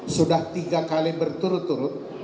sudah tiga kali berturut turut